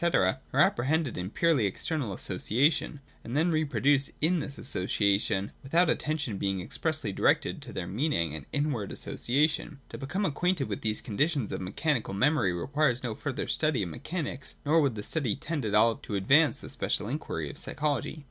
are apprehended in their purely external association, and then reproduced in this association, without attention being expressly directed to their meaning and inward association. To become acquainted with these conditions of mechanical memory requires no further study of mechanics, nor would that study tend at all to advance the special inquiry of psychology.